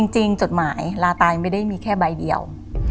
จดหมายลาตายไม่ได้มีแค่ใบเดียว